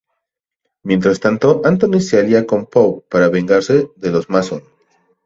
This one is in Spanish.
Mientras tanto, Anthony se alía con Pope para vengarse de los Mason.